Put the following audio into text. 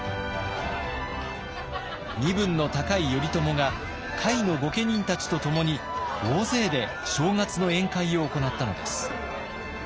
身分の高い頼朝が下位の御家人たちとともに大勢で正月の宴会を行ったのです。